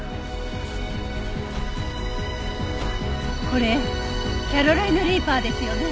これキャロライナ・リーパーですよね？